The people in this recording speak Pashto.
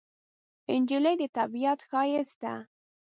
نجلۍ د طبیعت ښایست ده.